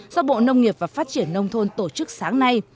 do bộ nông nghiệp và phát triển nông thôn tổ chức sáng nay